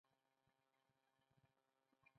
غریب د امید څراغ وي